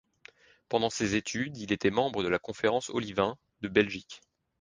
Pendant ses études il était membre de la Conférence Olivaint de Belgique.